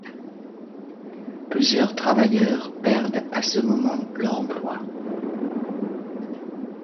Plusieurs travailleurs perdent à ce moment leur emploi.